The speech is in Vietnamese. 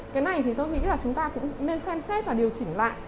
cái này thì tôi nghĩ là chúng ta cũng nên xem xét và điều chỉnh lại